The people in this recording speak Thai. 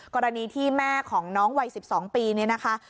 กรณีที่แม่ของน้องวัย๑๒ปีเนี่ยนะคะ